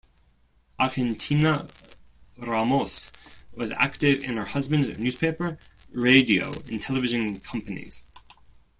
Argentina Ramos was active in her husband's newspaper, radio and television companies.